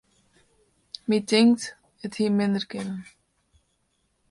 My tinkt, it hie minder kinnen.